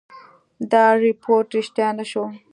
دا رپوټ ریشتیا نه شو.